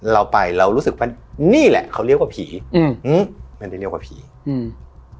เราไปเรารู้สึกว่านี่แหละเขาเรียกว่าผีอืมอืมมันจะเรียกว่าผีอืม